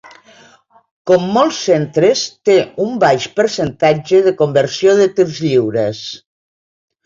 Com molts centres, té un baix percentatge de conversió de tirs lliures.